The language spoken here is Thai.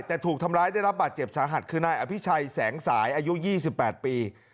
แต่ถูกทำร้ายได้รับบาดเจ็บสาหัสคือนายอภิชัยแสงสายอายุ๒๘ปี